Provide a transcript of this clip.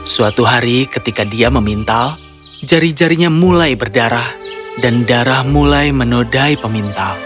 suatu hari ketika dia memintal jari jarinya mulai berdarah dan darah mulai menodai pemintal